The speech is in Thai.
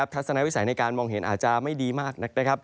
ทัศนวิสัยในการมองเห็นอาจจะไม่ดีมาก